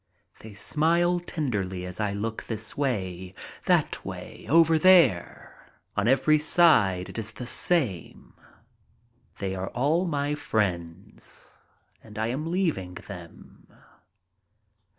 They smile tenderly as I look this way, that way, over there — on every side it is the same. They are all my friends and I am leaving them.